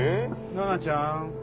奈々ちゃん。